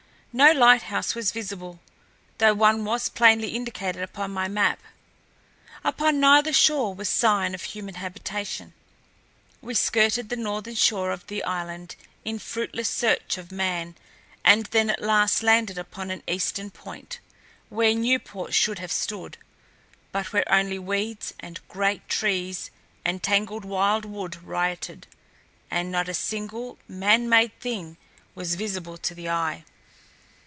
No lighthouse was visible, though one was plainly indicated upon my map. Upon neither shore was sign of human habitation. We skirted the northern shore of the island in fruitless search for man, and then at last landed upon an eastern point, where Newport should have stood, but where only weeds and great trees and tangled wild wood rioted, and not a single manmade thing was visible to the eye.